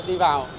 vẫn đi vào